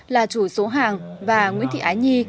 là chủ số hàng và nguyễn thị ái nhi